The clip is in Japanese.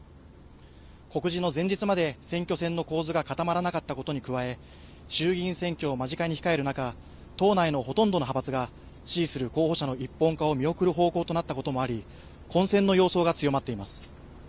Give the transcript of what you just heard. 告示の前日まで選挙戦の構図が固まらなかったことに加え衆議院選挙を間近に控える中、党内のほとんどの派閥が支持する候補者の一本化を見送る方向となったこともあり、混戦の様相が強まっています。